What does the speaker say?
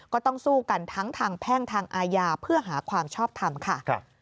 ก็ต้องสู้กันทั้งทางแพ่งทางอาญาเพื่อหาความชอบทำค่ะ